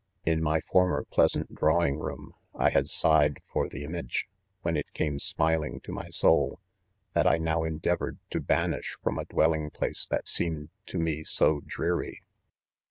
In my former plea sant drawing room, I had sighed for the im age (when it came smiling to my soul,) that I now endeavored to banish from a dwelling place that seemed to me so dreary.